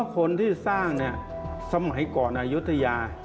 คนที่สร้างเนี่ยสมัยก่อนอายุทยา